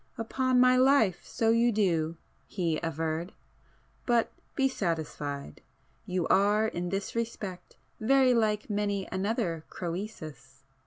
"Upon my life, so you do!" he averred.—"But be satisfied!—you are in this respect very like many another Crœsus.